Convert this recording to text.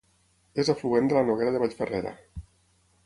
És afluent de la Noguera de Vallferrera.